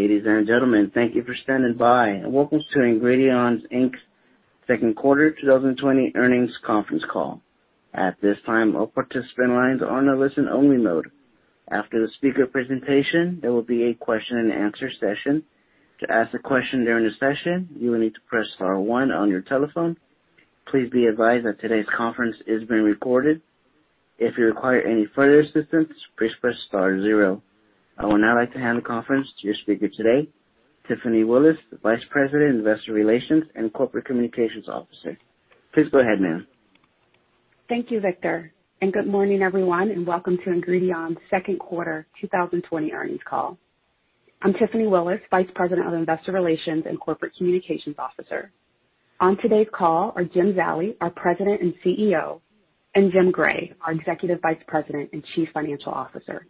Ladies and gentlemen, thank you for standing by, and welcome to Ingredion Inc.'s second quarter 2020 earnings conference call. At this time, all participant lines are on a listen-only mode. After the speaker presentation, there will be a question and answer session. To ask a question during the session, you will need to press star one on your telephone. Please be advised that today's conference is being recorded. If you require any further assistance, please press star zero. I would now like to hand the conference to your speaker today, Tiffany Willis, the Vice President, Investor Relations, and Corporate Communications Officer. Please go ahead, ma'am. Thank you, Victor. Good morning, everyone, and welcome to Ingredion's second quarter 2020 earnings call. I'm Tiffany Willis, Vice President of Investor Relations and Corporate Communications Officer. On today's call are Jim Zallie, our President and CEO, and Jim Gray, our Executive Vice President and Chief Financial Officer.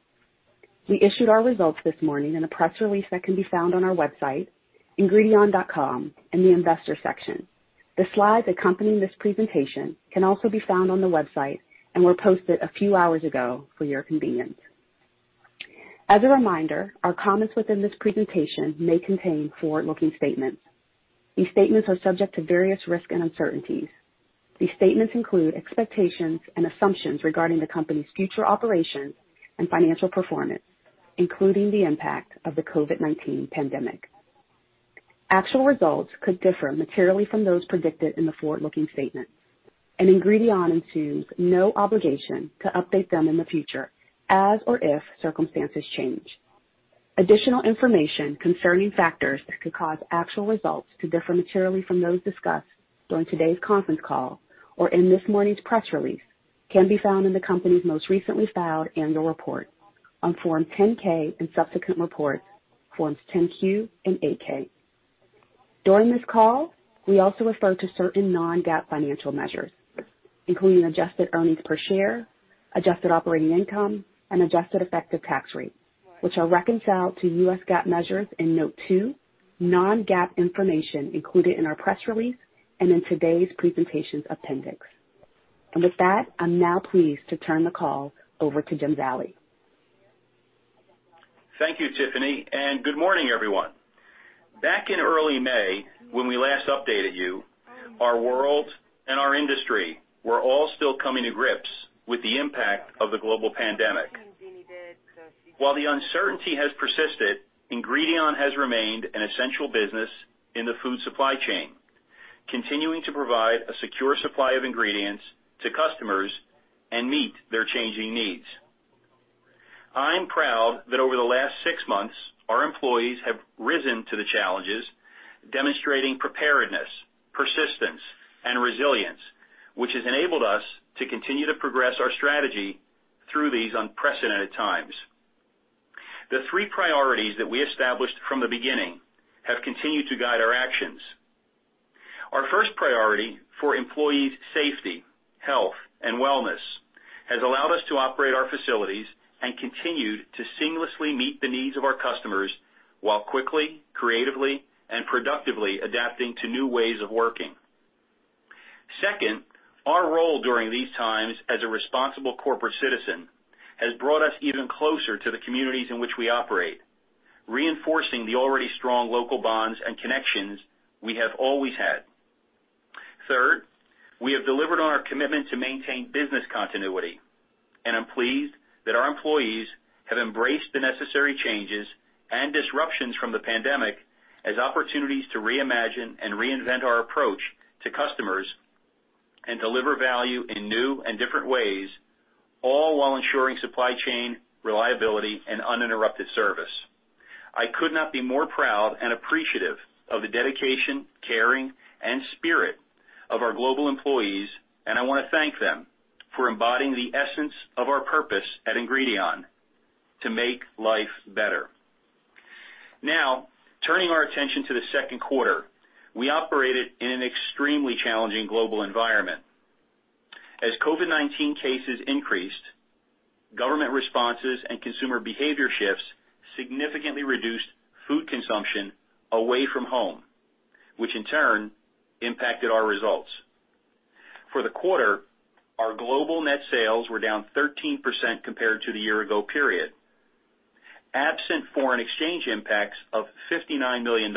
We issued our results this morning in a press release that can be found on our website, ingredion.com, in the Investors section. The slides accompanying this presentation can also be found on the website and were posted a few hours ago for your convenience. As a reminder, our comments within this presentation may contain forward-looking statements. These statements are subject to various risks and uncertainties. These statements include expectations and assumptions regarding the company's future operations and financial performance, including the impact of the COVID-19 pandemic. Actual results could differ materially from those predicted in the forward-looking statement, Ingredion assumes no obligation to update them in the future as or if circumstances change. Additional information concerning factors that could cause actual results to differ materially from those discussed during today's conference call or in this morning's press release can be found in the company's most recently filed annual report on Form 10-K and subsequent reports, Forms 10-Q and 8-K. During this call, we also refer to certain non-GAAP financial measures, including adjusted earnings per share, adjusted operating income, and adjusted effective tax rate, which are reconciled to US GAAP measures in Note two, Non-GAAP Information included in our press release and in today's presentation appendix. With that, I'm now pleased to turn the call over to Jim Zallie. Thank you, Tiffany. Good morning, everyone. Back in early May, when we last updated you, our world and our industry were all still coming to grips with the impact of the global pandemic. While the uncertainty has persisted, Ingredion has remained an essential business in the food supply chain, continuing to provide a secure supply of ingredients to customers and meet their changing needs. I'm proud that over the last six months, our employees have risen to the challenges, demonstrating preparedness, persistence, and resilience, which has enabled us to continue to progress our strategy through these unprecedented times. The three priorities that we established from the beginning have continued to guide our actions. Our first priority for employees' safety, health, and wellness has allowed us to operate our facilities and continued to seamlessly meet the needs of our customers while quickly, creatively, and productively adapting to new ways of working. Second, our role during these times as a responsible corporate citizen has brought us even closer to the communities in which we operate, reinforcing the already strong local bonds and connections we have always had. Third, we have delivered on our commitment to maintain business continuity, and I'm pleased that our employees have embraced the necessary changes and disruptions from the pandemic as opportunities to reimagine and reinvent our approach to customers and deliver value in new and different ways, all while ensuring supply chain reliability and uninterrupted service. I could not be more proud and appreciative of the dedication, caring, and spirit of our global employees, and I want to thank them for embodying the essence of our purpose at Ingredion, to make life better. Now, turning our attention to the second quarter, we operated in an extremely challenging global environment. As COVID-19 cases increased, government responses and consumer behavior shifts significantly reduced food consumption away from home, which in turn impacted our results. For the quarter, our global net sales were down 13% compared to the year-ago period. Absent foreign exchange impacts of $59 million,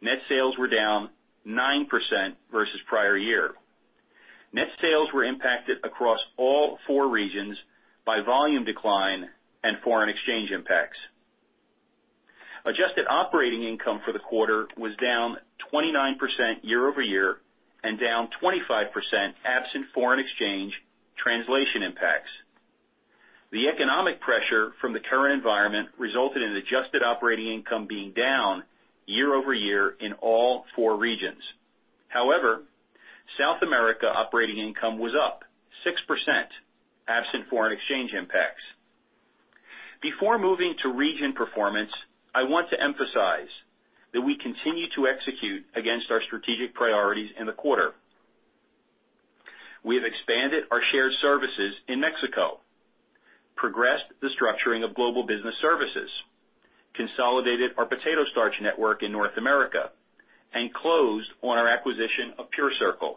net sales were down 9% versus prior year. Net sales were impacted across all four regions by volume decline and foreign exchange impacts. Adjusted operating income for the quarter was down 29% year-over-year and down 25% absent foreign exchange translation impacts. The economic pressure from the current environment resulted in adjusted operating income being down year-over-year in all four regions. However, South America operating income was up 6% absent foreign exchange impacts. Before moving to region performance, I want to emphasize that we continue to execute against our strategic priorities in the quarter. We have expanded our shared services in Mexico, progressed the structuring of Global Business Services, consolidated our potato starch network in North America, and closed on our acquisition of PureCircle.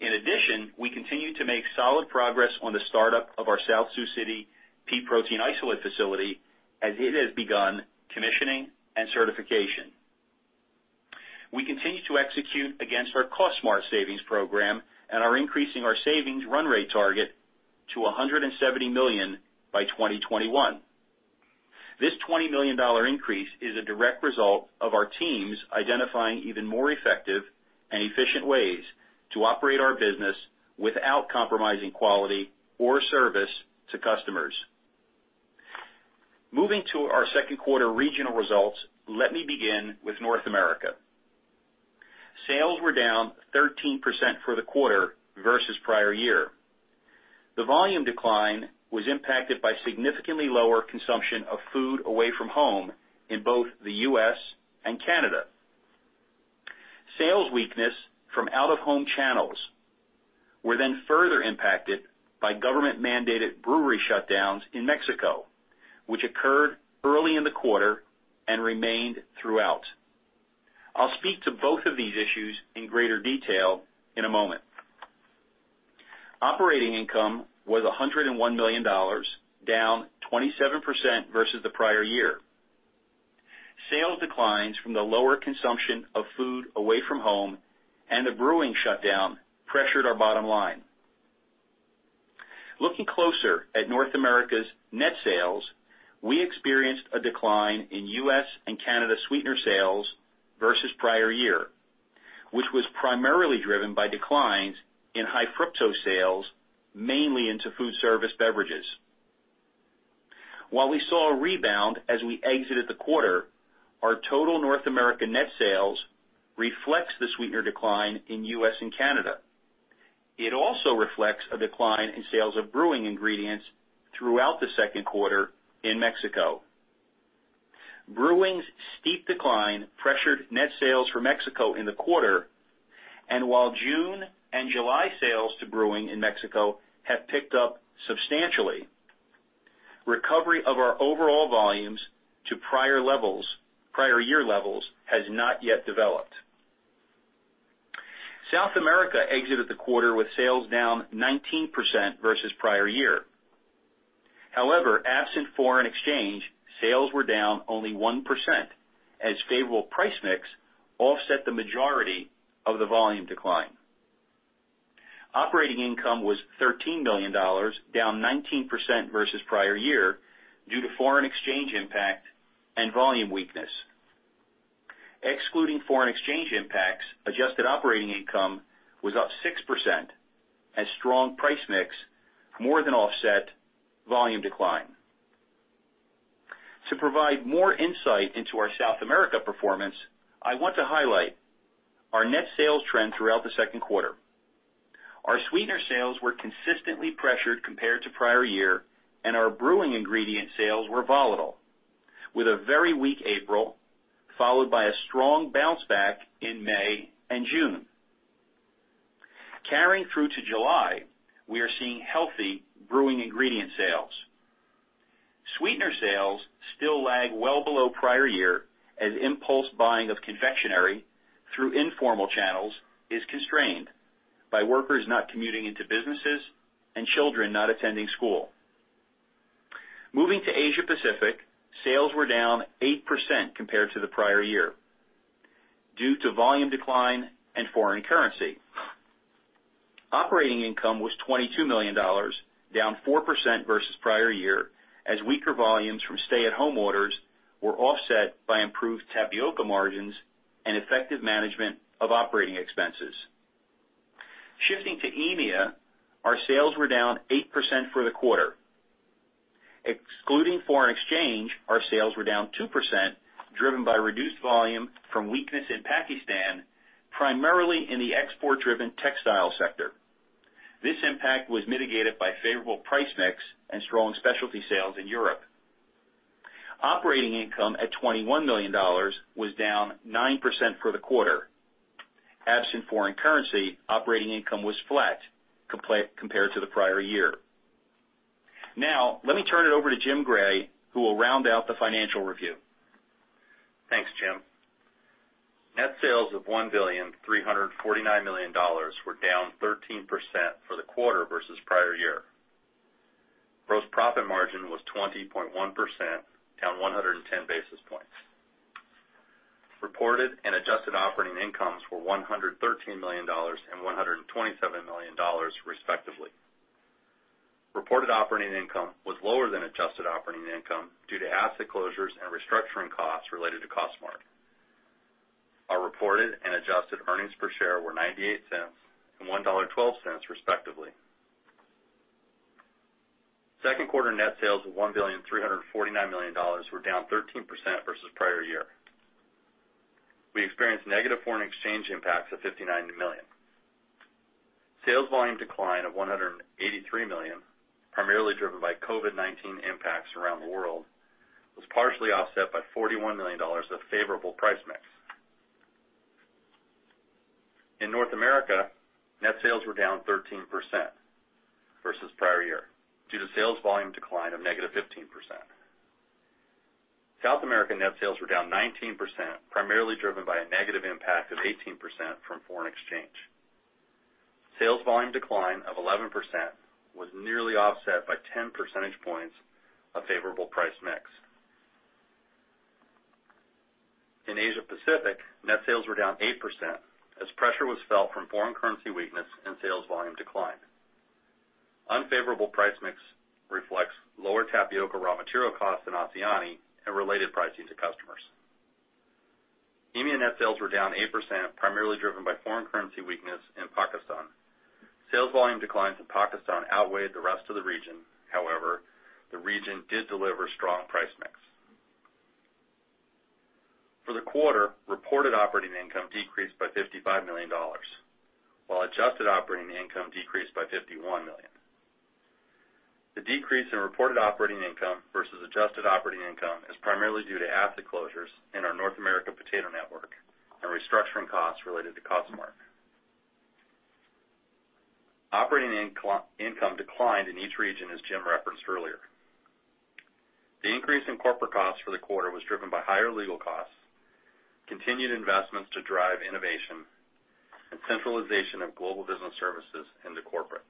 In addition, we continue to make solid progress on the startup of our South Sioux City pea protein isolate facility, as it has begun commissioning and certification. We continue to execute against our Cost Smart savings program, and are increasing our savings run rate target to $170 million by 2021. This $20 million increase is a direct result of our teams identifying even more effective and efficient ways to operate our business without compromising quality or service to customers. Moving to our second quarter regional results, let me begin with North America. Sales were down 13% for the quarter versus prior year. The volume decline was impacted by significantly lower consumption of food away from home in both the U.S. and Canada. Sales weakness from out-of-home channels were further impacted by government-mandated brewery shutdowns in Mexico, which occurred early in the quarter and remained throughout. I'll speak to both of these issues in greater detail in a moment. Operating income was $101 million, down 27% versus the prior year. Sales declines from the lower consumption of food away from home and the brewing shutdown pressured our bottom line. Looking closer at North America's net sales, we experienced a decline in U.S. and Canada sweetener sales versus prior year, which was primarily driven by declines in high fructose sales, mainly into food service beverages. While we saw a rebound as we exited the quarter, our total North America net sales reflects the sweetener decline in U.S. and Canada. It also reflects a decline in sales of brewing ingredients throughout the second quarter in Mexico. Brewing's steep decline pressured net sales for Mexico in the quarter, and while June and July sales to brewing in Mexico have picked up substantially, recovery of our overall volumes to prior year levels has not yet developed. South America exited the quarter with sales down 19% versus prior year. However, absent foreign exchange, sales were down only 1%, as favorable price mix offset the majority of the volume decline. Operating income was $13 million, down 19% versus prior year due to foreign exchange impact and volume weakness. Excluding foreign exchange impacts, adjusted operating income was up 6%, as strong price mix more than offset volume decline. To provide more insight into our South America performance, I want to highlight our net sales trend throughout the second quarter. Our sweetener sales were consistently pressured compared to prior year, and our brewing ingredient sales were volatile, with a very weak April, followed by a strong bounce back in May and June. Carrying through to July, we are seeing healthy brewing ingredient sales. Sweetener sales still lag well below prior year, as impulse buying of confectionery through informal channels is constrained by workers not commuting into businesses and children not attending school. Moving to Asia Pacific, sales were down 8% compared to the prior year due to volume decline and foreign currency. Operating income was $22 million, down 4% versus prior year, as weaker volumes from stay-at-home orders were offset by improved tapioca margins and effective management of operating expenses. Shifting to EMEA, our sales were down 8% for the quarter. Excluding foreign exchange, our sales were down 2%, driven by reduced volume from weakness in Pakistan, primarily in the export-driven textile sector. This impact was mitigated by favorable price mix and strong specialty sales in Europe. Operating income at $21 million was down 9% for the quarter. Absent foreign currency, operating income was flat compared to the prior year. Let me turn it over to Jim Gray, who will round out the financial review. Thanks, Jim. Net sales of $1.349 billion were down 13% for the quarter versus prior year. Gross profit margin was 20.1%, down 110 basis points. Reported and adjusted operating incomes were $113 million and $127 million, respectively. Reported operating income was lower than adjusted operating income due to asset closures and restructuring costs related to Cost Smart. Our reported and adjusted earnings per share were $0.98 and $1.12, respectively. Second quarter net sales of $1.349 billion were down 13% versus prior year. We experienced negative foreign exchange impacts of $59 million. Sales volume decline of $183 million, primarily driven by COVID-19 impacts around the world, was partially offset by $41 million of favorable price mix. In North America, net sales were down 13% versus prior year due to sales volume decline of negative 15%. South American net sales were down 19%, primarily driven by a negative impact of 18% from foreign exchange. Sales volume decline of 11% was nearly offset by 10 percentage points of favorable price mix. In Asia Pacific, net sales were down 8% as pressure was felt from foreign currency weakness and sales volume decline. Unfavorable price mix reflects lower tapioca raw material costs in Oceania and related pricing to customers. EMEA net sales were down 8%, primarily driven by foreign currency weakness in Pakistan. Sales volume declines in Pakistan outweighed the rest of the region. The region did deliver strong price mix. For the quarter, reported operating income decreased by $55 million, while adjusted operating income decreased by $51 million. The decrease in reported operating income versus adjusted operating income is primarily due to asset closures in our North America potato network and restructuring costs related to Cost Smart. Operating income declined in each region, as Jim referenced earlier. The increase in corporate costs for the quarter was driven by higher legal costs, continued investments to drive innovation, and centralization of Global Business Services into corporate.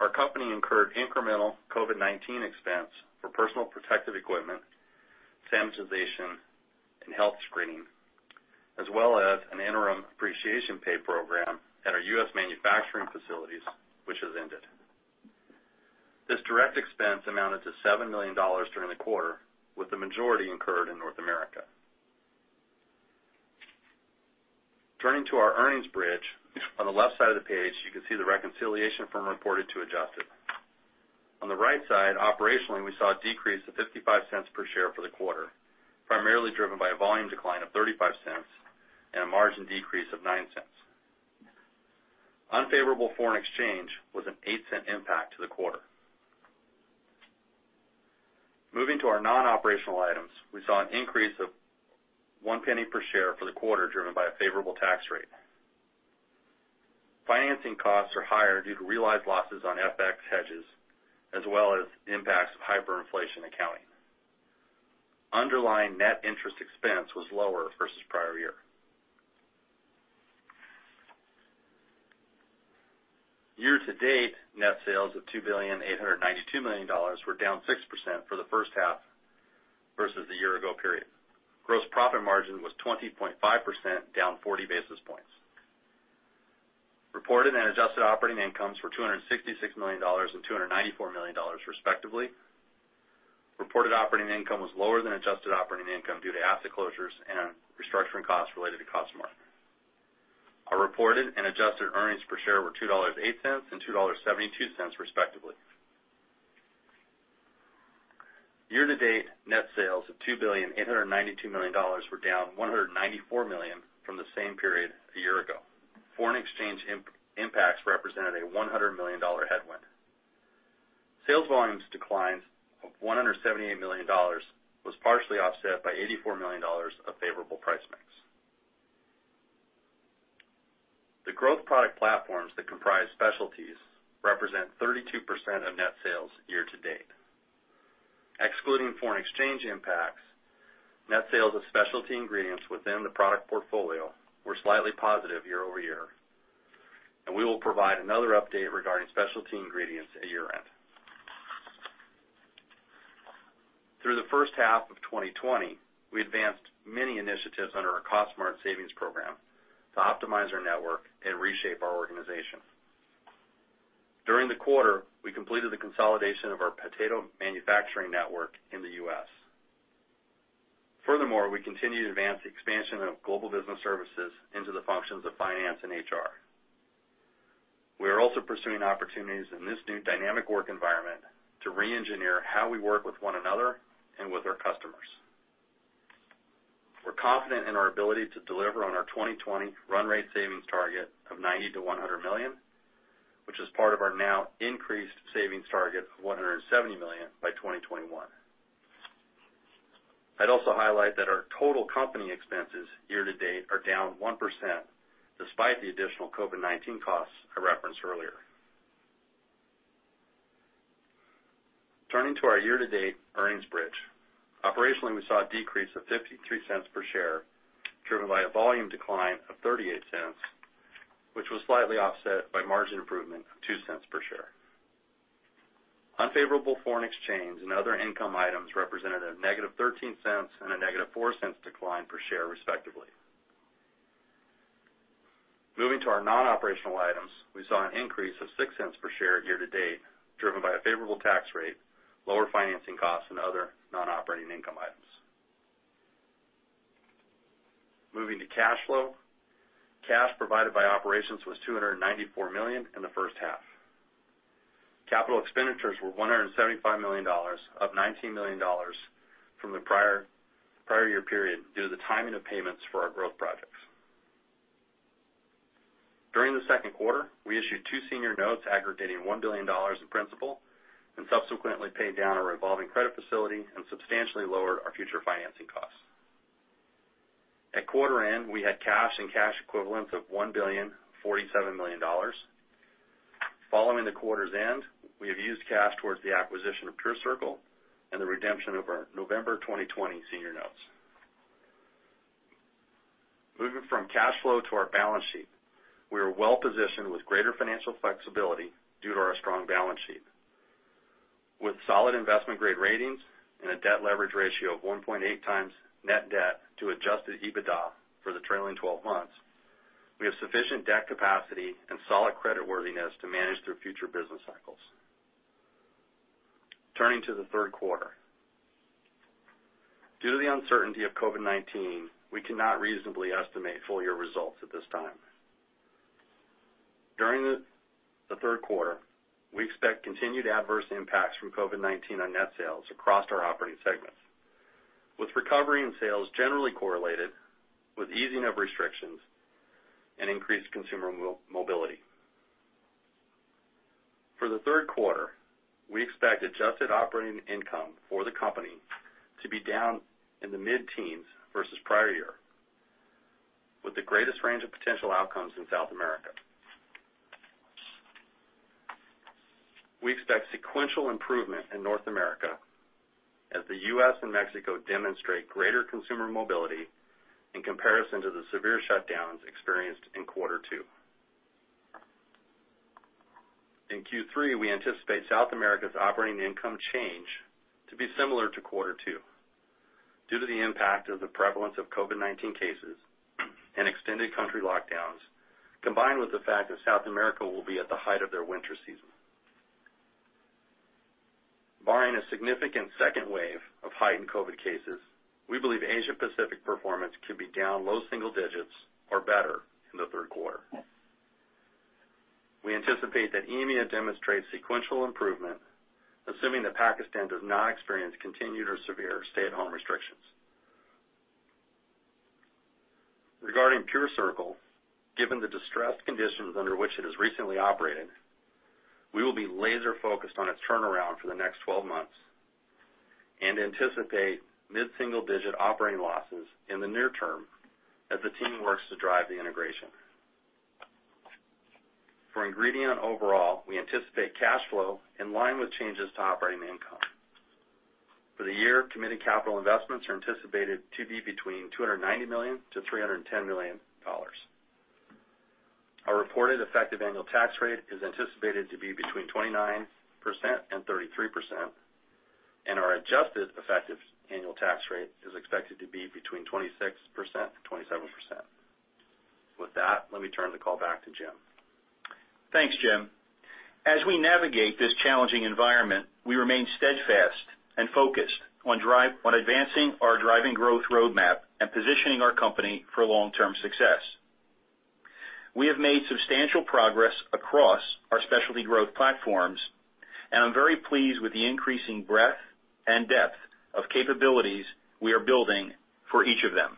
Our company incurred incremental COVID-19 expense for personal protective equipment, sanitization, and health screening, as well as an interim appreciation pay program at our U.S. manufacturing facilities, which has ended. This direct expense amounted to $7 million during the quarter, with the majority incurred in North America. Our earnings bridge. On the left side of the page, you can see the reconciliation from reported to adjusted. On the right side, operationally, we saw a decrease of $0.55 per share for the quarter, primarily driven by a volume decline of $0.35 and a margin decrease of $0.09. Unfavorable foreign exchange was an $0.08 impact to the quarter. Moving to our non-operational items, we saw an increase of $0.01 per share for the quarter, driven by a favorable tax rate. Financing costs are higher due to realized losses on FX hedges, as well as impacts of hyperinflation accounting. Underlying net interest expense was lower versus prior year. Year to date, net sales of $2.892 billion were down 6% for the first half, versus the year ago period. Gross profit margin was 20.5%, down 40 basis points. Reported and adjusted operating incomes were $266 million and $294 million, respectively. Reported operating income was lower than adjusted operating income due to asset closures and restructuring costs related to Cost Smart. Our reported and adjusted earnings per share were $2.08 and $2.72, respectively. Year to date, net sales of $2.892 billion were down $194 million from the same period a year ago. Foreign exchange impacts represented a $100 million headwind. Sales volumes declines of $178 million was partially offset by $84 million of favorable price mix. The growth product platforms that comprise specialties represent 32% of net sales year to date. Excluding foreign exchange impacts, net sales of specialty ingredients within the product portfolio were slightly positive year-over-year. We will provide another update regarding specialty ingredients at year-end. Through the first half of 2020, we advanced many initiatives under our Cost Smart Savings program to optimize our network and reshape our organization. During the quarter, we completed the consolidation of our potato manufacturing network in the U.S. We continue to advance the expansion of Global Business Services into the functions of finance and HR. We are also pursuing opportunities in this new dynamic work environment to reengineer how we work with one another and with our customers. We're confident in our ability to deliver on our 2020 run rate savings target of $90 million-$100 million, which is part of our now increased savings target of $170 million by 2021. I'd also highlight that our total company expenses year to date are down 1%, despite the additional COVID-19 costs I referenced earlier. Turning to our year to date earnings bridge. Operationally, we saw a decrease of $0.53 per share, driven by a volume decline of $0.38, which was slightly offset by margin improvement of $0.02 per share. Unfavorable foreign exchange and other income items represented a negative $0.13 and a negative $0.04 decline per share, respectively. Moving to our non-operational items, we saw an increase of $0.06 per share year to date, driven by a favorable tax rate, lower financing costs and other non-operating income items. Moving to cash flow. Cash provided by operations was $294 million in the first half. Capital expenditures were $175 million, up $19 million from the prior year period due to the timing of payments for our growth projects. During the second quarter, we issued two senior notes aggregating $1 billion in principal and subsequently paid down our revolving credit facility and substantially lowered our future financing costs. At quarter end, we had cash and cash equivalents of $1,047 million. Following the quarter's end, we have used cash towards the acquisition of PureCircle and the redemption of our November 2020 senior notes. Moving from cash flow to our balance sheet, we are well-positioned with greater financial flexibility due to our strong balance sheet. With solid investment-grade ratings and a debt leverage ratio of 1.8 times net debt to adjusted EBITDA for the trailing 12 months, we have sufficient debt capacity and solid credit worthiness to manage through future business cycles. Turning to the third quarter. Due to the uncertainty of COVID-19, we cannot reasonably estimate full-year results at this time. During the third quarter, we expect continued adverse impacts from COVID-19 on net sales across our operating segments, with recovery and sales generally correlated with easing of restrictions and increased consumer mobility. For the third quarter, we expect adjusted operating income for the company to be down in the mid-teens versus prior year, with the greatest range of potential outcomes in South America. We expect sequential improvement in North America as the U.S. and Mexico demonstrate greater consumer mobility in comparison to the severe shutdowns experienced in quarter 2. In Q3, we anticipate South America's operating income change to be similar to quarter two due to the impact of the prevalence of COVID-19 cases and extended country lockdowns, combined with the fact that South America will be at the height of their winter season. Barring a significant second wave of heightened COVID cases, we believe Asia Pacific performance could be down low single digits or better in the third quarter. We anticipate that EMEA demonstrate sequential improvement, assuming that Pakistan does not experience continued or severe stay-at-home restrictions. Regarding PureCircle, given the distressed conditions under which it has recently operated, we will be laser-focused on its turnaround for the next 12 months and anticipate mid-single-digit operating losses in the near term as the team works to drive the integration. For Ingredion overall, we anticipate cash flow in line with changes to operating income. For the year, committed capital investments are anticipated to be between $290 million-$310 million. Our reported effective annual tax rate is anticipated to be between 29% and 33%, and our adjusted effective annual tax rate is expected to be between 26% and 27%. With that, let me turn the call back to Jim. Thanks, Jim. As we navigate this challenging environment, we remain steadfast and focused on advancing our driving growth roadmap and positioning our company for long-term success. We have made substantial progress across our specialty growth platforms, and I'm very pleased with the increasing breadth and depth of capabilities we are building for each of them.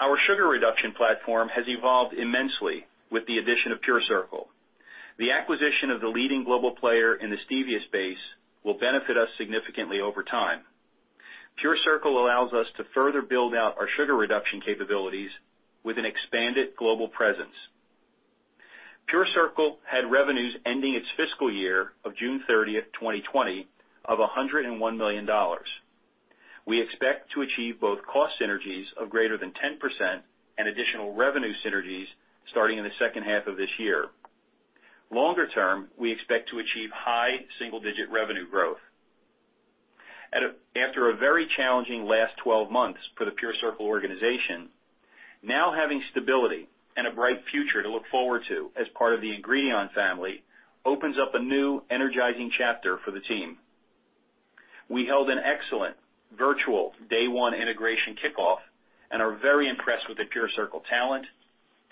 Our sugar reduction platform has evolved immensely with the addition of PureCircle. The acquisition of the leading global player in the stevia space will benefit us significantly over time. PureCircle allows us to further build out our sugar reduction capabilities with an expanded global presence. PureCircle had revenues ending its fiscal year of June 30th, 2020 of $101 million. We expect to achieve both cost synergies of greater than 10% and additional revenue synergies starting in the second half of this year. Longer term, we expect to achieve high single-digit revenue growth. After a very challenging last 12 months for the PureCircle organization, now having stability and a bright future to look forward to as part of the Ingredion family opens up a new energizing chapter for the team. We held an excellent virtual day one integration kickoff and are very impressed with the PureCircle talent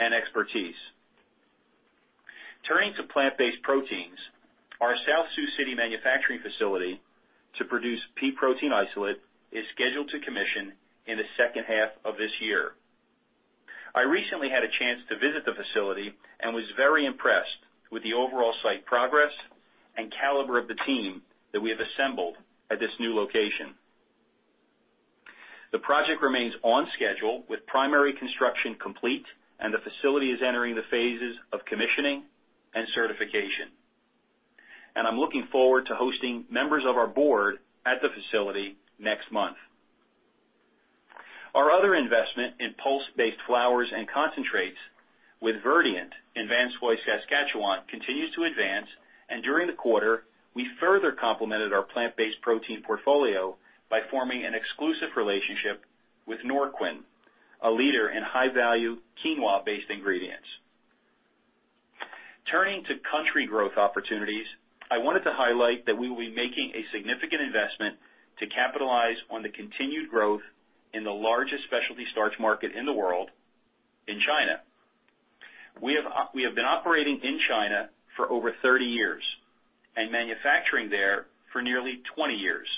and expertise. Turning to plant-based proteins, our South Sioux City manufacturing facility to produce pea protein isolate is scheduled to commission in the second half of this year. I recently had a chance to visit the facility and was very impressed with the overall site progress and caliber of the team that we have assembled at this new location. The project remains on schedule, with primary construction complete, and the facility is entering the phases of commissioning and certification. I'm looking forward to hosting members of our board at the facility next month. Our other investment in pulse-based flours and concentrates with Verdient in Vanscoy, Saskatchewan, continues to advance, and during the quarter, we further complemented our plant-based protein portfolio by forming an exclusive relationship with NorQuin, a leader in high-value quinoa-based ingredients. Turning to country growth opportunities, I wanted to highlight that we will be making a significant investment to capitalize on the continued growth in the largest specialty starch market in the world, in China. We have been operating in China for over 30 years and manufacturing there for nearly 20 years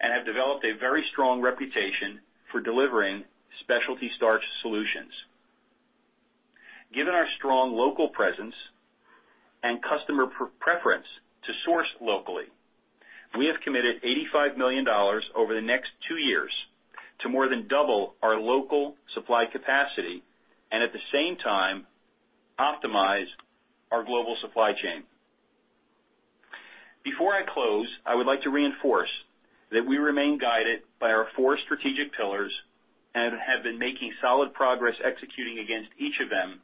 and have developed a very strong reputation for delivering specialty starch solutions. Given our strong local presence and customer preference to source locally, we have committed $85 million over the next two years to more than double our local supply capacity and at the same time optimize our global supply chain. Before I close, I would like to reinforce that we remain guided by our four strategic pillars and have been making solid progress executing against each of them,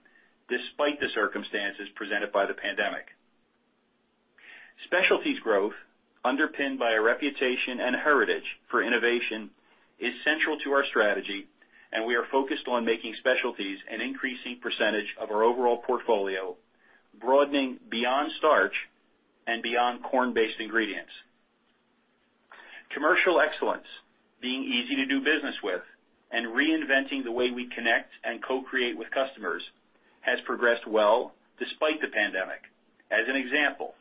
despite the circumstances presented by the pandemic. Specialties growth, underpinned by a reputation and heritage for innovation, is central to our strategy, and we are focused on making specialties an increasing percentage of our overall portfolio, broadening beyond starch and beyond corn-based ingredients. Commercial excellence, being easy to do business with, and reinventing the way we connect and co-create with customers has progressed well despite the pandemic. As an example,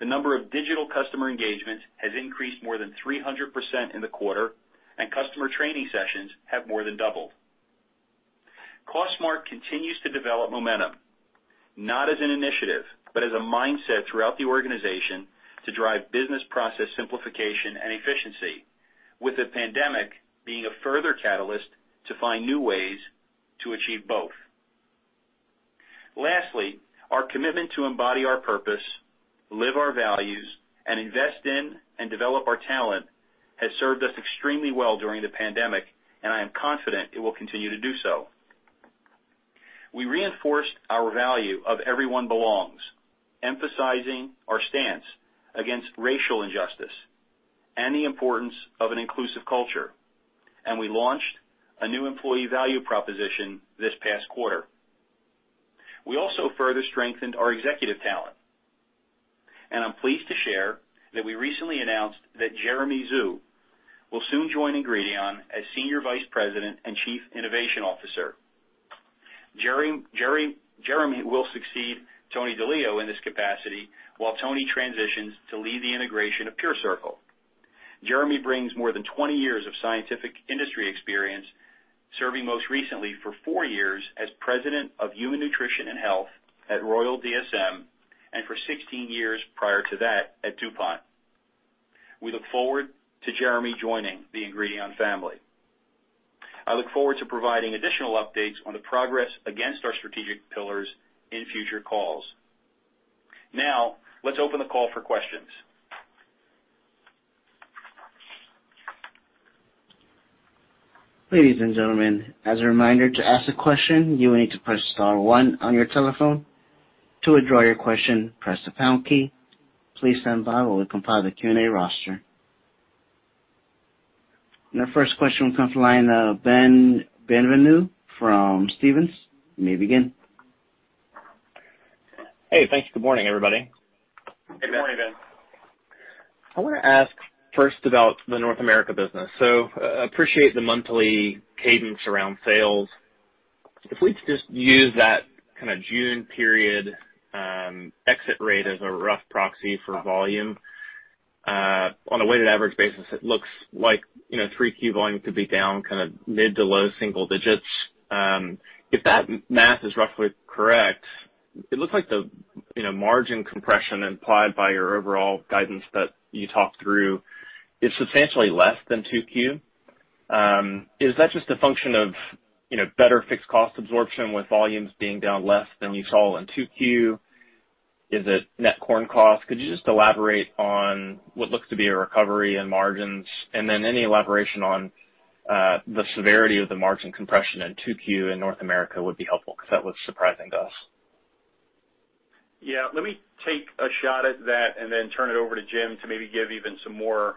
the number of digital customer engagements has increased more than 300% in the quarter, and customer training sessions have more than doubled. Cost Smart continues to develop momentum, not as an initiative, but as a mindset throughout the organization to drive business process simplification and efficiency, with the pandemic being a further catalyst to find new ways to achieve both. Lastly, our commitment to embody our purpose, live our values, and invest in and develop our talent has served us extremely well during the pandemic, and I am confident it will continue to do so. We reinforced our value of everyone belongs, emphasizing our stance against racial injustice and the importance of an inclusive culture, and we launched a new employee value proposition this past quarter. We also further strengthened our executive talent, and I'm pleased to share that we recently announced that Jeremy Xu will soon join Ingredion as Senior Vice President and Chief Innovation Officer. Jeremy will succeed Tony DeLio in this capacity while Tony transitions to lead the integration of PureCircle. Jeremy brings more than 20 years of scientific industry experience, serving most recently for four years as President of Human Nutrition and Health at Royal DSM and for 16 years prior to that at DuPont. We look forward to Jeremy joining the Ingredion family. I look forward to providing additional updates on the progress against our strategic pillars in future calls. Let's open the call for questions. Ladies and gentlemen, as a reminder, to ask a question, you will need to press star one on your telephone. To withdraw your question, press the pound key. Please stand by while we compile the Q&A roster. Our first question comes the line, Ben Bienvenu from Stephens. You may begin. Hey, thanks. Good morning, everybody. Good morning, Ben. I want to ask first about the North America business. Appreciate the monthly cadence around sales. If we just use that June period exit rate as a rough proxy for volume, on a weighted average basis, it looks like 3Q volume could be down mid to low single digits. If that math is roughly correct, it looks like the margin compression implied by your overall guidance that you talked through is substantially less than 2Q. Is that just a function of better fixed cost absorption with volumes being down less than you saw in 2Q? Is it net corn cost? Could you just elaborate on what looks to be a recovery in margins? Any elaboration on the severity of the margin compression in 2Q in North America would be helpful because that was surprising to us. Let me take a shot at that and then turn it over to Jim to maybe give even some more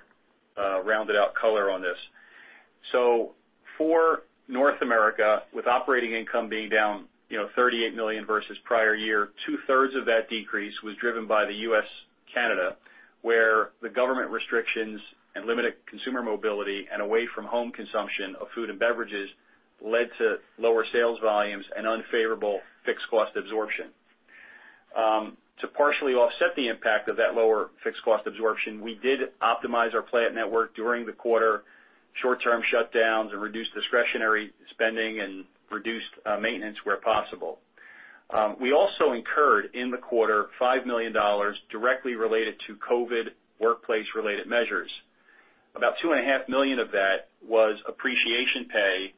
rounded out color on this. For North America, with operating income being down $38 million versus prior year, two-thirds of that decrease was driven by the U.S., Canada, where the government restrictions and limited consumer mobility and away from home consumption of food and beverages led to lower sales volumes and unfavorable fixed cost absorption. To partially offset the impact of that lower fixed cost absorption, we did optimize our plant network during the quarter, short-term shutdowns and reduced discretionary spending and reduced maintenance where possible. We also incurred, in the quarter, $5 million directly related to COVID workplace-related measures. About $2.5 million of that was appreciation pay,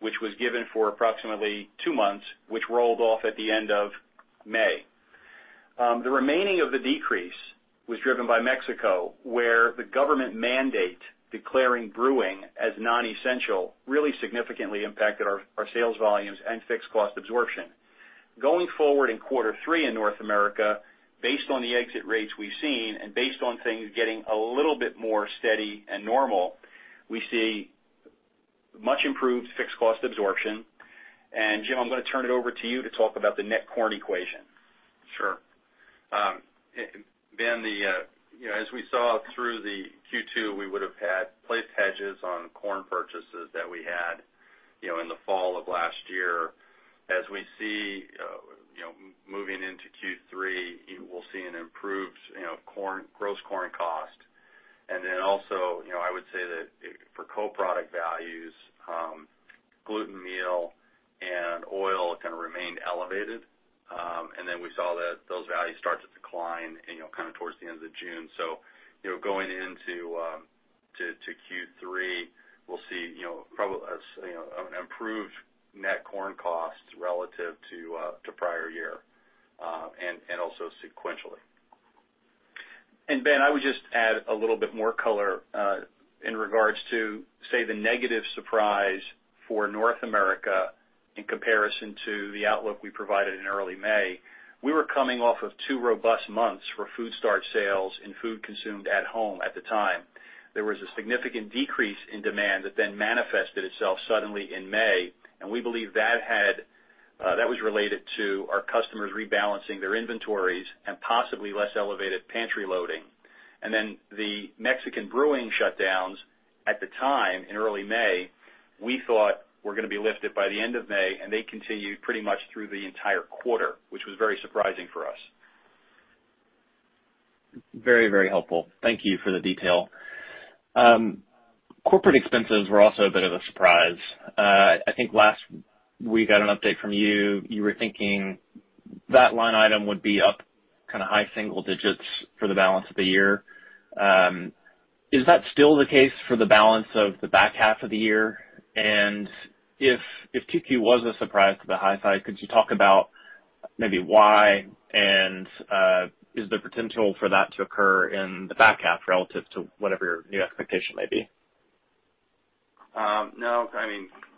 which was given for approximately two months, which rolled off at the end of May. The remaining of the decrease was driven by Mexico, where the government mandate declaring brewing as non-essential really significantly impacted our sales volumes and fixed cost absorption. Going forward in quarter 3 in North America, based on the exit rates we've seen and based on things getting a little bit more steady and normal, we see much improved fixed cost absorption. Jim, I'm going to turn it over to you to talk about the net corn equation. Sure. Ben Bienvenu, as we saw through the Q2, we would have had placed hedges on corn purchases that we had in the fall of last year. As we see moving into Q3, we'll see an improved gross corn cost. Also, I would say that for co-product values, gluten meal and oil remained elevated. We saw those values start to decline towards the end of June. Going into Q3, we'll see an improved net corn cost relative to prior year, and also sequentially. Ben, I would just add a little bit more color in regards to, say, the negative surprise for North America in comparison to the outlook we provided in early May. We were coming off of two robust months for food starch sales and food consumed at home at the time. There was a significant decrease in demand that then manifested itself suddenly in May, and we believe that was related to our customers rebalancing their inventories and possibly less elevated pantry loading. The Mexican brewing shutdowns at the time, in early May, we thought were going to be lifted by the end of May, and they continued pretty much through the entire quarter, which was very surprising for us. Very helpful. Thank you for the detail. Corporate expenses were also a bit of a surprise. I think last we got an update from you were thinking that line item would be up high single digits for the balance of the year. Is that still the case for the balance of the back half of the year? If 2Q was a surprise to the high side, could you talk about maybe why, and is there potential for that to occur in the back half relative to whatever your new expectation may be? No.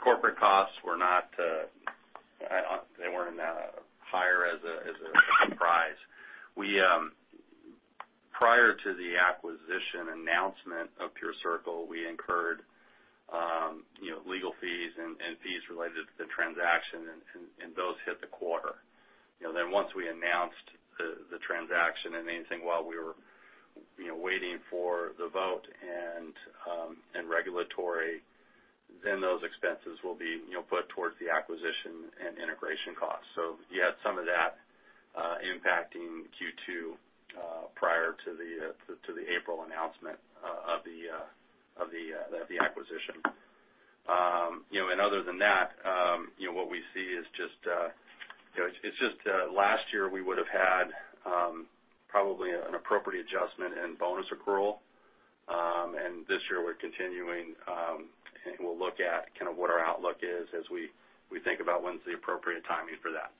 Corporate costs were not higher as a surprise. Prior to the acquisition announcement of PureCircle, we incurred legal fees and fees related to the transaction, those hit the quarter. Once we announced the transaction and anything while we were waiting for the vote and regulatory, then those expenses will be put towards the acquisition and integration costs. You had some of that impacting Q2 prior to the April announcement of the acquisition. Other than that, what we see is just last year we would have had probably an appropriate adjustment in bonus accrual. This year we're continuing, and we'll look at what our outlook is as we think about when's the appropriate timing for that.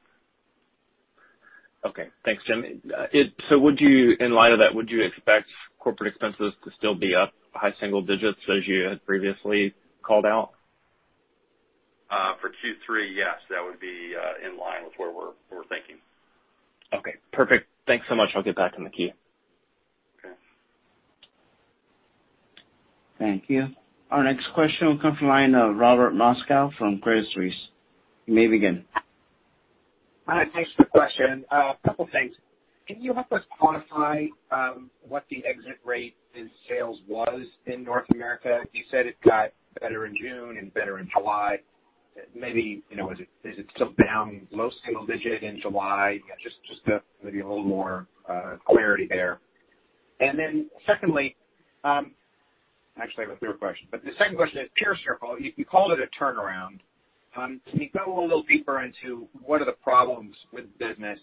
Okay. Thanks, Jim. In light of that, would you expect corporate expenses to still be up high single digits as you had previously called out? For Q3, yes. That would be in line with where we're thinking. Okay, perfect. Thanks so much. I'll give back to Nikia. Okay. Thank you. Our next question will come from the line of Robert Moskow from Credit Suisse. You may begin. Hi, thanks for the question. A couple things. Can you help us quantify what the exit rate in sales was in North America? You said it got better in June and better in July. Maybe, is it still down low single digit in July? Just maybe a little more clarity there. Secondly, actually, I have a third question, but the second question is PureCircle, you called it a turnaround. Can you go a little deeper into what are the problems with the business?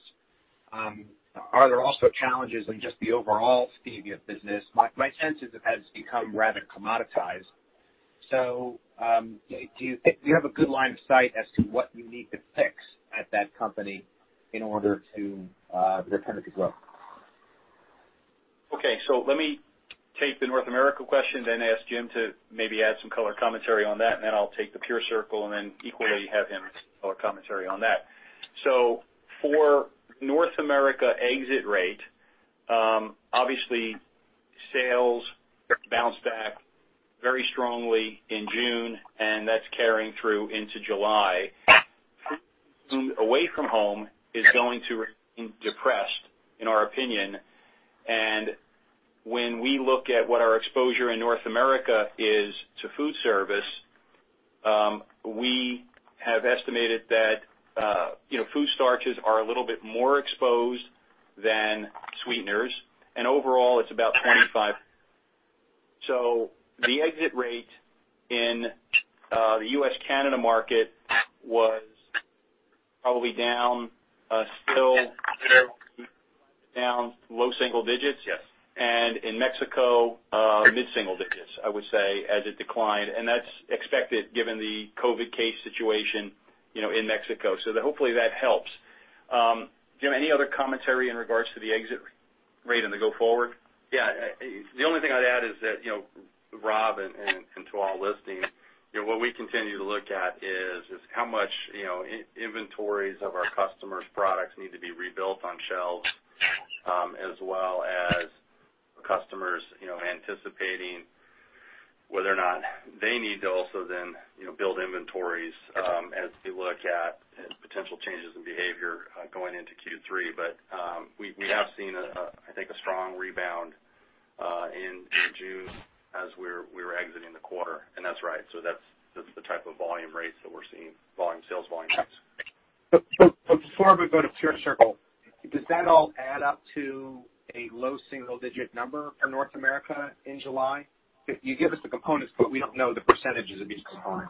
Are there also challenges in just the overall stevia business? My sense is it has become rather commoditized. Do you have a good line of sight as to what you need to fix at that company in order to return it to growth? Okay. Let me take the North America question then ask Jim to maybe add some color commentary on that, and then I'll take the PureCircle and then equally have him add color commentary on that. For North America exit rate, obviously sales bounced back very strongly in June, and that's carrying through into July. Food away from home is going to remain depressed, in our opinion. When we look at what our exposure in North America is to food service, we have estimated that food starches are a little bit more exposed than sweeteners. Overall, it's about 25%. The exit rate in the U.S.-Canada market was probably down low single digits. Yes. In Mexico, mid-single digits, I would say, as it declined. That's expected given the COVID case situation in Mexico. Hopefully that helps. Jim, any other commentary in regards to the exit rate on the go forward? The only thing I'd add is that, Rob, and to all listening, what we continue to look at is how much inventories of our customers' products need to be rebuilt on shelves, as well as customers anticipating whether or not they need to also then build inventories as we look at potential changes in behavior going into Q3. We have seen, I think, a strong rebound in June. As we're exiting the quarter. That's right. That's the type of volume rates that we're seeing, volume sales volume rates. Before we go to PureCircle, does that all add up to a low single-digit number for North America in July? You give us the components, but we don't know the percentages of each component.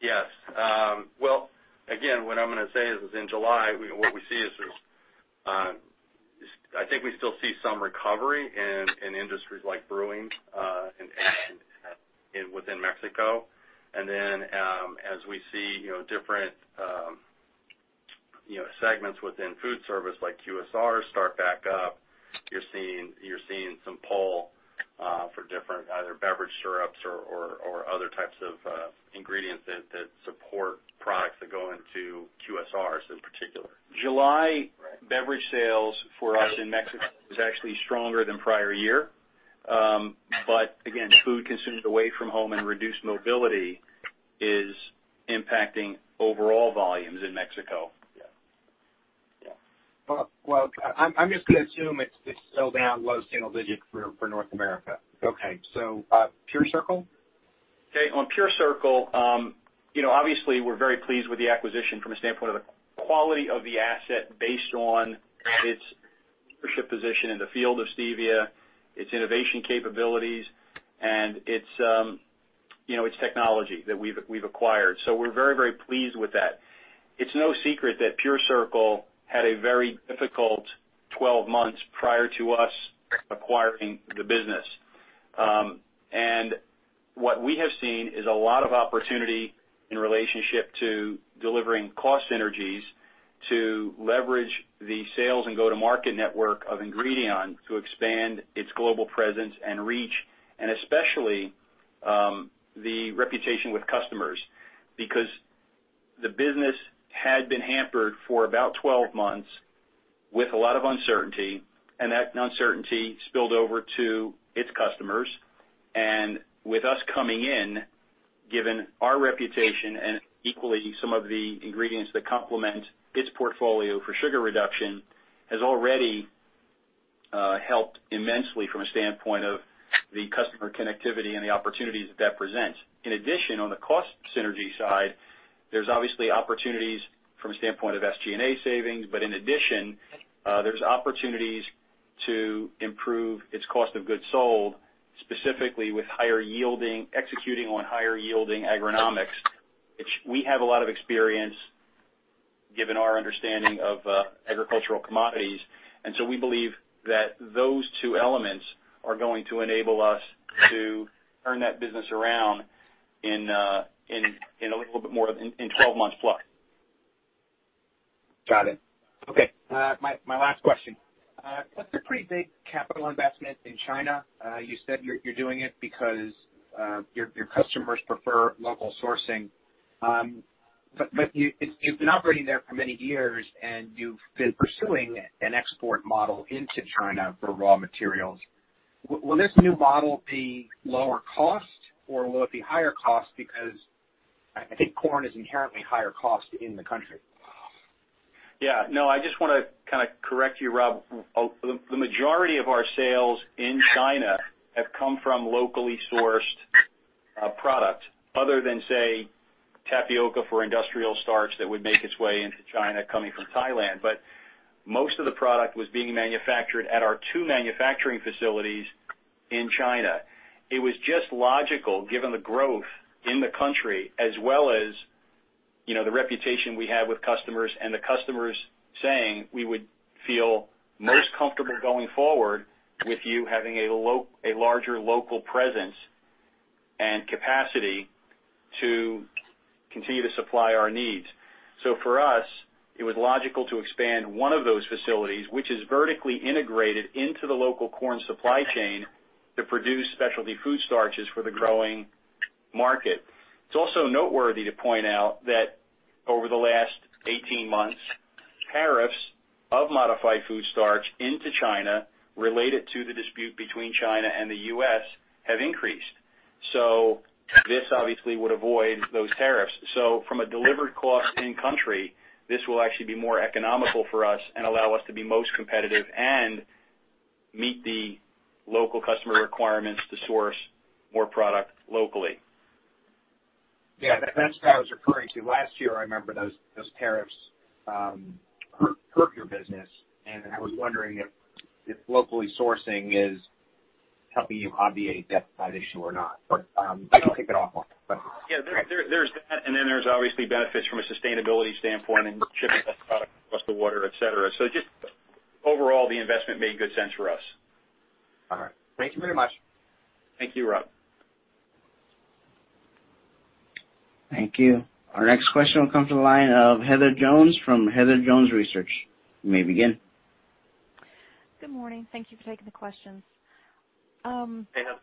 Yes. Well, again, what I'm going to say is, in July, what we see is, I think we still see some recovery in industries like brewing within Mexico. As we see different segments within food service, like QSRs start back up, you're seeing some pull for different either beverage syrups or other types of ingredients that support products that go into QSRs in particular. July beverage sales for us in Mexico was actually stronger than prior year. Food consumed away from home and reduced mobility is impacting overall volumes in Mexico. Yeah. Well, I'm just going to assume it's still down low single digit for North America. Okay. PureCircle? Okay. On PureCircle, obviously we're very pleased with the acquisition from a standpoint of the quality of the asset based on its leadership position in the field of stevia, its innovation capabilities, and its technology that we've acquired. We're very pleased with that. It's no secret that PureCircle had a very difficult 12 months prior to us acquiring the business. What we have seen is a lot of opportunity in relationship to delivering cost synergies to leverage the sales and go-to-market network of Ingredion to expand its global presence and reach, and especially, the reputation with customers. Because the business had been hampered for about 12 months with a lot of uncertainty, and that uncertainty spilled over to its customers. With us coming in, given our reputation and equally some of the ingredients that complement its portfolio for sugar reduction, has already helped immensely from a standpoint of the customer connectivity and the opportunities that presents. In addition, on the cost synergy side, there's obviously opportunities from a standpoint of SG&A savings. In addition, there's opportunities to improve its cost of goods sold, specifically with executing on higher yielding agronomics, which we have a lot of experience given our understanding of agricultural commodities. We believe that those two elements are going to enable us to turn that business around in 12 months plus. Got it. Okay. My last question. That's a pretty big capital investment in China. You said you're doing it because your customers prefer local sourcing. You've been operating there for many years, and you've been pursuing an export model into China for raw materials. Will this new model be lower cost, or will it be higher cost? I think corn is inherently higher cost in the country. Yeah. No, I just want to correct you, Rob. The majority of our sales in China have come from locally sourced product, other than, say, tapioca for industrial starch that would make its way into China coming from Thailand. Most of the product was being manufactured at our two manufacturing facilities in China. It was just logical, given the growth in the country, as well as the reputation we have with customers and the customers saying, "We would feel most comfortable going forward with you having a larger local presence and capacity to continue to supply our needs." For us, it was logical to expand one of those facilities, which is vertically integrated into the local corn supply chain to produce specialty food starches for the growing market. It's also noteworthy to point out that over the last 18 months, tariffs of modified food starch into China related to the dispute between China and the U.S. have increased. This obviously would avoid those tariffs. From a delivered cost in country, this will actually be more economical for us and allow us to be most competitive and meet the local customer requirements to source more product locally. Yeah. That's what I was referring to. Last year, I remember those tariffs hurt your business. I was wondering if locally sourcing is helping you obviate that issue or not. I can take that offline. Yeah. There's that, there's obviously benefits from a sustainability standpoint and shipping less product across the water, et cetera. Just overall, the investment made good sense for us. All right. Thank you very much. Thank you, Rob. Thank you. Our next question will come to the line of Heather Jones from Heather Jones Research. You may begin. Good morning. Thank you for taking the questions. Hey, Heather.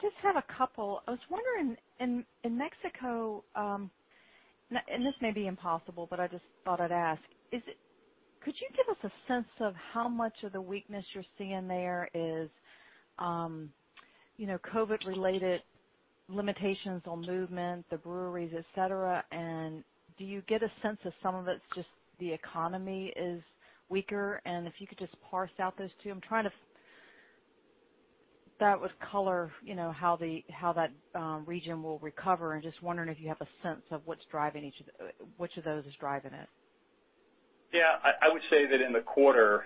Just have a couple. I was wondering, in Mexico, this may be impossible, but I just thought I'd ask. Could you give us a sense of how much of the weakness you're seeing there is COVID-related limitations on movement, the breweries, et cetera. Do you get a sense of some of it's just the economy is weaker? If you could just parse out those two. That would color how that region will recover, and just wondering if you have a sense of which of those is driving it. Yeah, I would say that in the quarter,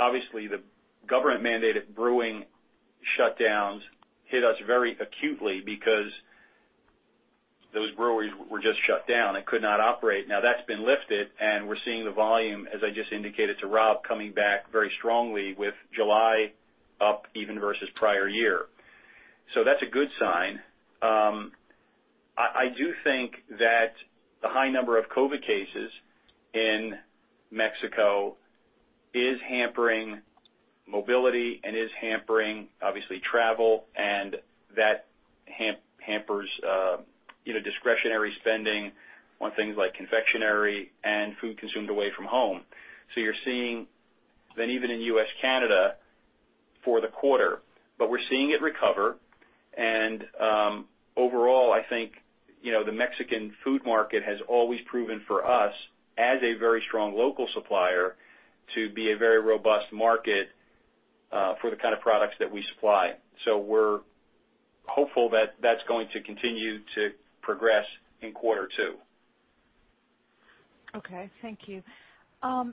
obviously the government-mandated brewing shutdowns hit us very acutely because those breweries were just shut down and could not operate. That's been lifted, and we're seeing the volume, as I just indicated to Rob, coming back very strongly with July up even versus prior year. That's a good sign. I do think that the high number of COVID-19 cases in Mexico is hampering mobility and is hampering, obviously, travel, and that hampers discretionary spending on things like confectionary and food consumed away from home. You're seeing that even in U.S., Canada for the quarter. We're seeing it recover. Overall, I think, the Mexican food market has always proven for us, as a very strong local supplier, to be a very robust market for the kind of products that we supply. We're hopeful that that's going to continue to progress in quarter two. Okay, thank you. A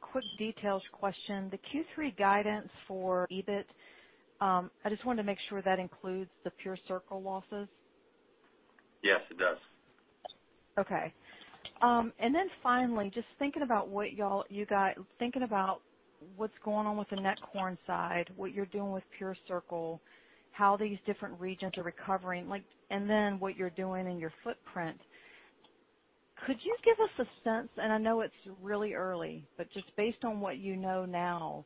quick details question. The Q3 guidance for EBIT, I just wanted to make sure that includes the PureCircle losses. Yes, it does. Okay. Finally, just thinking about what's going on with the wet corn side, what you're doing with PureCircle, how these different regions are recovering, and what you're doing in your footprint. Could you give us a sense, and I know it's really early, but just based on what you know now,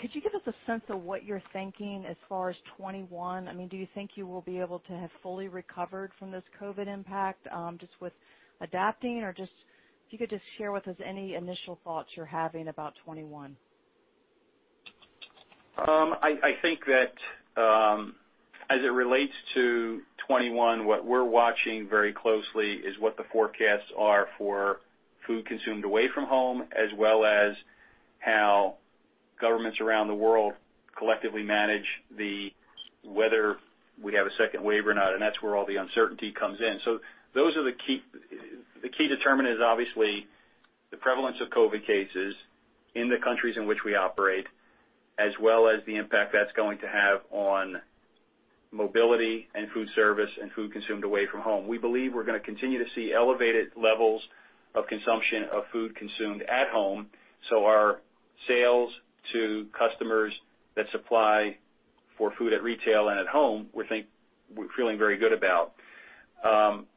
could you give us a sense of what you're thinking as far as 2021? Do you think you will be able to have fully recovered from this COVID-19 impact, just with adapting or if you could just share with us any initial thoughts you're having about 2021? I think that as it relates to 2021, what we're watching very closely is what the forecasts are for food consumed away from home, as well as how governments around the world collectively manage whether we have a second wave or not. That's where all the uncertainty comes in. The key determinant is obviously the prevalence of COVID cases in the countries in which we operate, as well as the impact that's going to have on mobility and food service and food consumed away from home. We believe we're going to continue to see elevated levels of consumption of food consumed at home. Our sales to customers that supply for food at retail and at home, we're feeling very good about.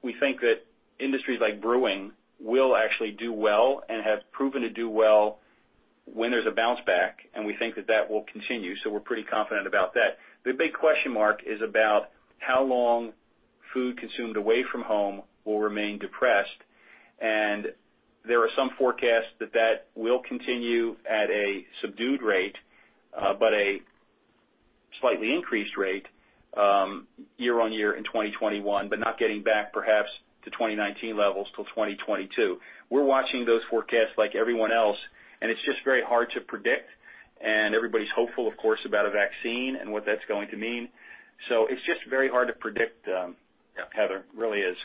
We think that industries like brewing will actually do well and have proven to do well when there's a bounce back, and we think that that will continue. We're pretty confident about that. The big question mark is about how long food consumed away from home will remain depressed. There are some forecasts that that will continue at a subdued rate, but a slightly increased rate year-on-year in 2021, but not getting back perhaps to 2019 levels till 2022. We're watching those forecasts like everyone else, and it's just very hard to predict. Everybody's hopeful, of course, about a vaccine and what that's going to mean. It's just very hard to predict, Heather, it really is.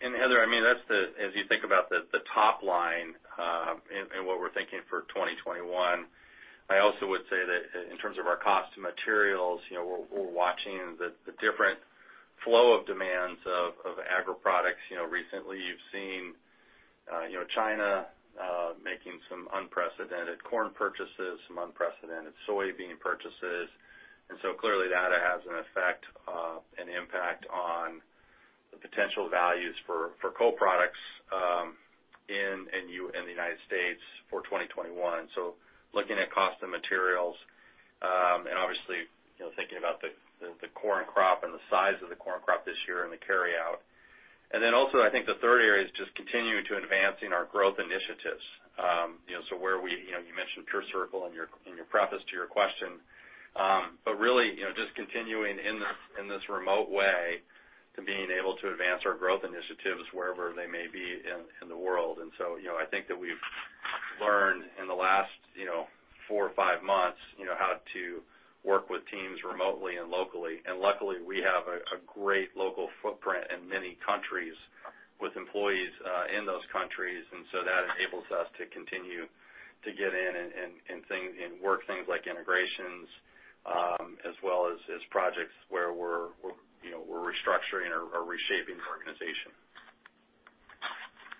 Heather, as you think about the top line, and what we're thinking for 2021, I also would say that in terms of our cost of materials, we're watching the different flow of demands of agri-products. Recently you've seen China making some unprecedented corn purchases, some unprecedented soybean purchases. Clearly that has an effect, an impact on the potential values for co-products in the U.S. for 2021. Looking at cost of materials, and obviously, thinking about the corn crop and the size of the corn crop this year and the carry out. Also I think the third area is just continuing to advancing our growth initiatives. You mentioned PureCircle in your preface to your question. Really, just continuing in this remote way to being able to advance our growth initiatives wherever they may be in the world. I think that we've learned in the last four or five months how to work with teams remotely and locally. Luckily, we have a great local footprint in many countries with employees in those countries. That enables us to continue to get in and work things like integrations, as well as projects where we're restructuring or reshaping the organization.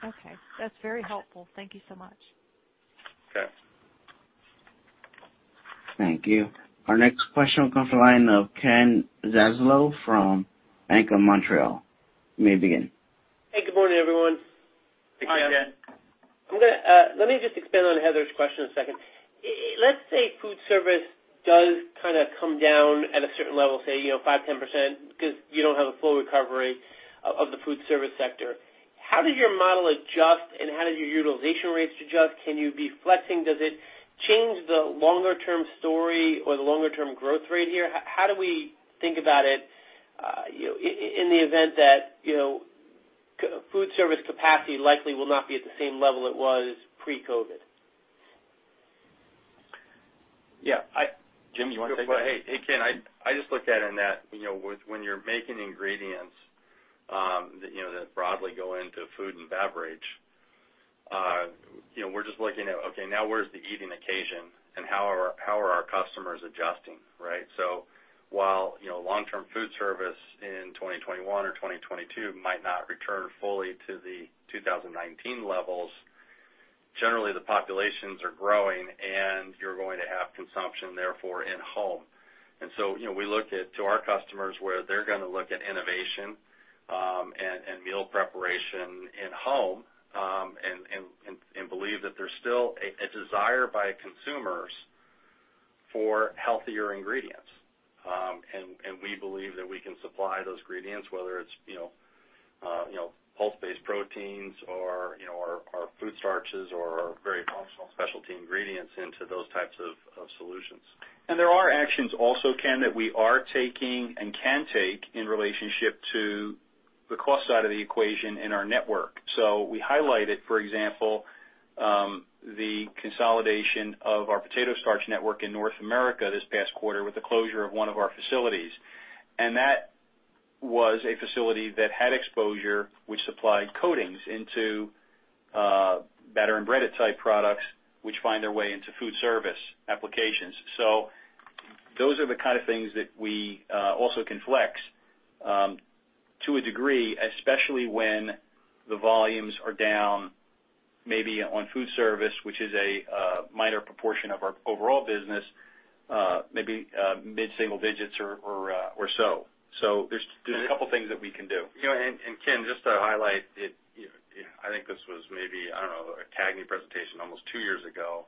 Okay. That's very helpful. Thank you so much. Okay. Thank you. Our next question will come from the line of Ken Zaslow from BMO Capital Markets. You may begin. Hey, good morning, everyone. Hi, Ken. Let me just expand on Heather's question a second. Let's say food service does come down at a certain level, say five, 10%, because you don't have a full recovery of the food service sector. How does your model adjust and how do your utilization rates adjust? Can you be flexing? Does it change the longer-term story or the longer-term growth rate here? How do we think about it in the event that food service capacity likely will not be at the same level it was pre-COVID? Yeah. Jim, you want to take that? Hey, Ken, I just looked at it in that when you're making ingredients that broadly go into food and beverage, we're just looking at, okay, now where's the eating occasion, and how are our customers adjusting, right? While long-term food service in 2021 or 2022 might not return fully to the 2019 levels, generally the populations are growing and you're going to have consumption therefore in-home. We look to our customers where they're going to look at innovation and meal preparation in-home, and believe that there's still a desire by consumers for healthier ingredients. We believe that we can supply those ingredients, whether it's pulse-based proteins or our food starches or our very functional specialty ingredients into those types of solutions. There are actions also, Ken, that we are taking and can take in relationship to the cost side of the equation in our network. We highlighted, for example, the consolidation of our potato starch network in North America this past quarter with the closure of one of our facilities. That was a facility that had exposure, which supplied coatings into batter and breaded type products, which find their way into food service applications. Those are the kind of things that we also can flex to a degree, especially when the volumes are down, maybe on food service, which is a minor proportion of our overall business, maybe mid-single digits or so. There's a couple things that we can do. Ken, just to highlight it, I think this was maybe, I don't know, a CAGNY presentation almost 2 years ago.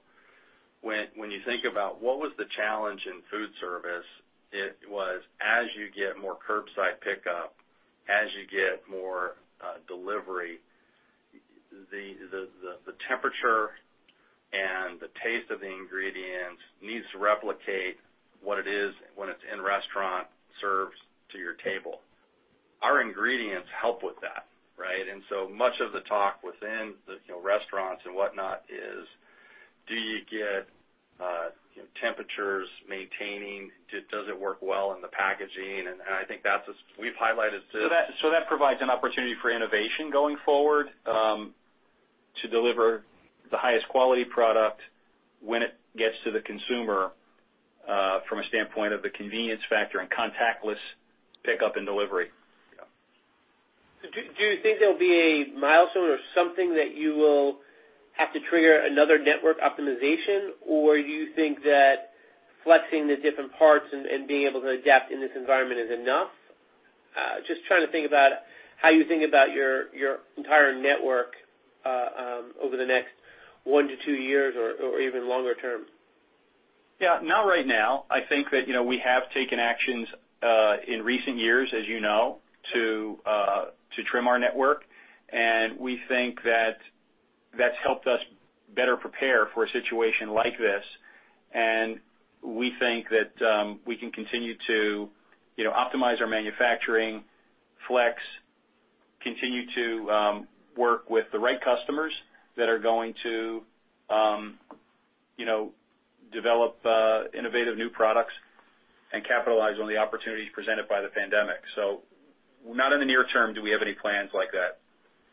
When you think about what was the challenge in food service, it was as you get more curbside pickup, as you get more delivery, the temperature and the taste of the ingredients needs to replicate what it is when it's in restaurant served to your table. Our ingredients help with that, right? So much of the talk within the restaurants and whatnot is do you get temperatures maintaining? Does it work well in the packaging? I think we've highlighted this. That provides an opportunity for innovation going forward to deliver the highest quality product when it gets to the consumer from a standpoint of the convenience factor and contactless pickup and delivery. Yeah. Do you think there'll be a milestone or something that you will have to trigger another network optimization, or you think that flexing the different parts and being able to adapt in this environment is enough? Just trying to think about how you think about your entire network over the next one to two years or even longer term. Yeah, not right now. I think that we have taken actions in recent years, as you know, to trim our network, and we think that that's helped us better prepare for a situation like this. We think that we can continue to optimize our manufacturing flex, continue to work with the right customers that are going to develop innovative new products and capitalize on the opportunities presented by the pandemic. Not in the near term do we have any plans like that.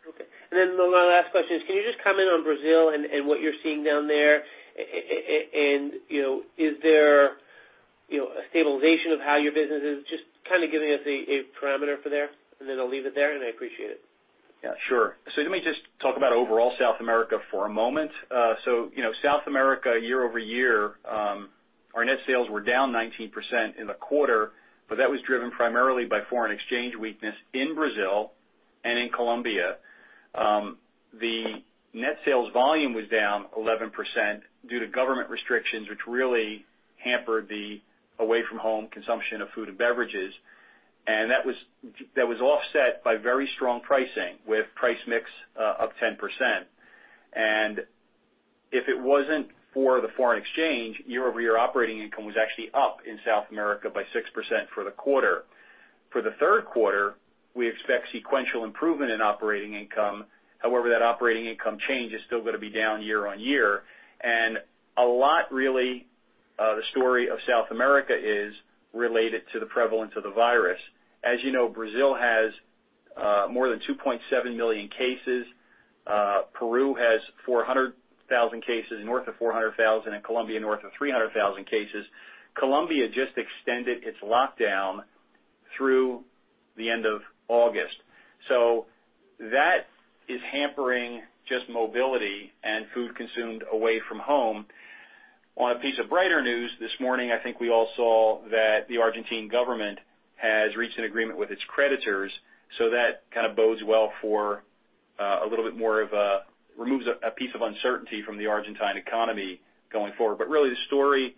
Okay. My last question is, can you just comment on Brazil and what you're seeing down there? Is there a stabilization of how your business is? Just giving us a parameter for there. I'll leave it there. I appreciate it. Yeah, sure. Let me just talk about overall South America for a moment. South America, year-over-year, our net sales were down 19% in the quarter, but that was driven primarily by foreign exchange weakness in Brazil and in Colombia. The net sales volume was down 11% due to government restrictions, which really hampered the away-from-home consumption of food and beverages. That was offset by very strong pricing with price mix up 10%. If it wasn't for the foreign exchange, year-over-year operating income was actually up in South America by 6% for the quarter. For the third quarter, we expect sequential improvement in operating income. However, that operating income change is still going to be down year-on-year. A lot, really, the story of South America is related to the prevalence of the virus. As you know, Brazil has more than 2.7 million cases. Peru has 400,000 cases, north of 400,000, and Colombia north of 300,000 cases. Colombia just extended its lockdown through the end of August. That is hampering just mobility and food consumed away from home. On a piece of brighter news, this morning, I think we all saw that the Argentine government has reached an agreement with its creditors, that kind of bodes well for a little bit more of a removes a piece of uncertainty from the Argentine economy going forward. Really, the story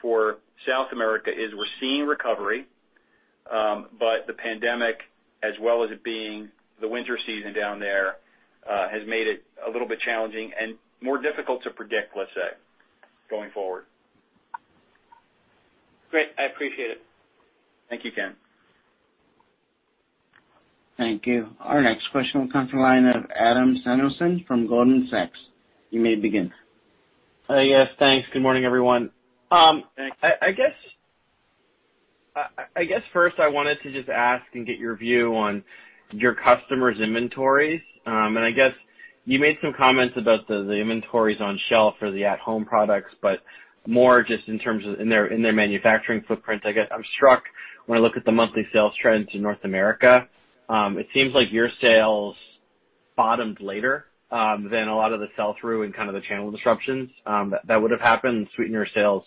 for South America is we're seeing recovery, but the pandemic, as well as it being the winter season down there, has made it a little bit challenging and more difficult to predict, let's say, going forward. Great. I appreciate it. Thank you, Ken. Thank you. Our next question will come from the line of Adam Samuelson from Goldman Sachs. You may begin. Yes, thanks. Good morning, everyone. Thanks. I guess first I wanted to just ask and get your view on your customers' inventories. I guess you made some comments about the inventories on shelf or the at-home products, but more just in terms of in their manufacturing footprint, I guess. I'm struck when I look at the monthly sales trends in North America. It seems like your sales bottomed later than a lot of the sell-through and kind of the channel disruptions that would've happened. Sweetener sales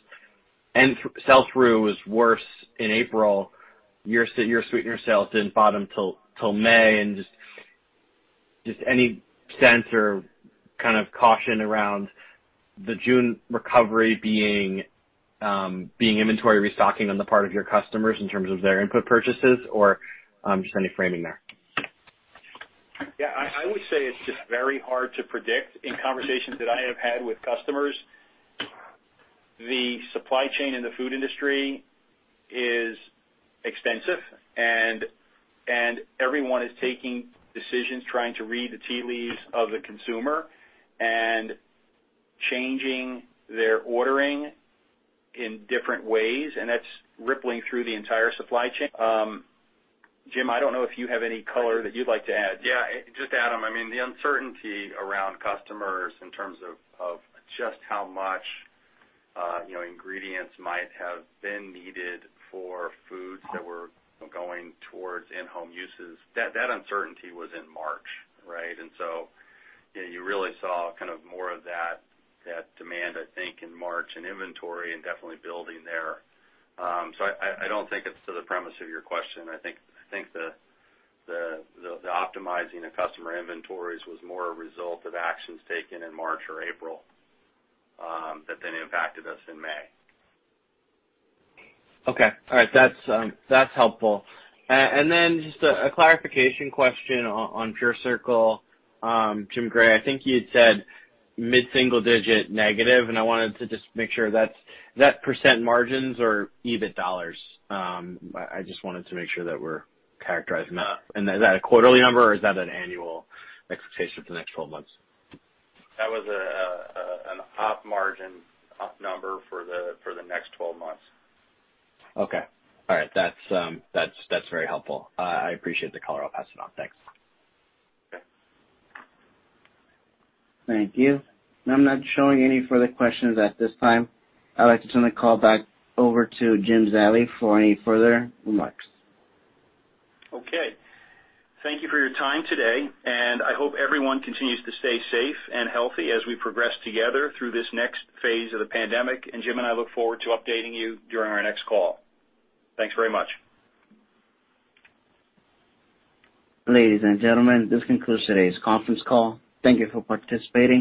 and sell-through was worse in April. Your sweetener sales didn't bottom till May. Just any sense or kind of caution around the June recovery being inventory restocking on the part of your customers in terms of their input purchases? Or just any framing there. Yeah. I would say it's just very hard to predict in conversations that I have had with customers. The supply chain in the food industry is extensive, and everyone is taking decisions, trying to read the tea leaves of the consumer, and changing their ordering in different ways, and that's rippling through the entire supply chain. Jim, I don't know if you have any color that you'd like to add. Yeah. Just Adam, the uncertainty around customers in terms of just how much ingredients might have been needed for foods that were going towards in-home uses, that uncertainty was in March, right? You really saw kind of more of that demand, I think, in March in inventory and definitely building there. I don't think it's to the premise of your question. I think the optimizing of customer inventories was more a result of actions taken in March or April, that then impacted us in May. Okay. All right. That's helpful. Then just a clarification question on PureCircle. Jim Gray, I think you had said mid-single digit negative, and I wanted to just make sure, is that percent margins or EBIT dollars? I just wanted to make sure that we're characterizing that. Is that a quarterly number or is that an annual expectation for the next 12 months? That was an op margin, op number for the next 12 months. Okay. All right. That's very helpful. I appreciate the color. I'll pass it on. Thanks. Okay. Thank you. I'm not showing any further questions at this time. I'd like to turn the call back over to Jim Zallie for any further remarks. Okay. Thank you for your time today. I hope everyone continues to stay safe and healthy as we progress together through this next phase of the pandemic. Jim and I look forward to updating you during our next call. Thanks very much. Ladies and gentlemen, this concludes today's conference call. Thank you for participating.